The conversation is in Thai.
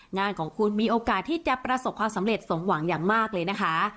งานของคุณมีโอกาสที่จะประสบความสำเร็จสมหวังอย่างมากเลยนะคะ